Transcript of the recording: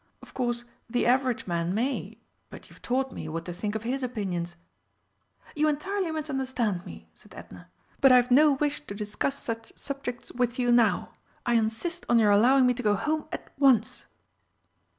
Of course the average man may, but you've taught me what to think of his opinions." "You entirely misunderstand me," said Edna. "But I've no wish to discuss such subjects with you now I insist on your allowing me to go home at once."